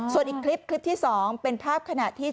ส่วนอีกคลิปแบบที่เป็นภาพขนาดที่ชาวบ้าน